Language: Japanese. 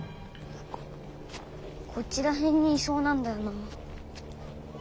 こっちら辺にいそうなんだよな。